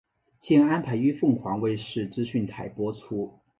现安排于凤凰卫视资讯台播出。